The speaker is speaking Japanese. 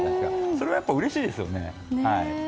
それはうれしいですよね。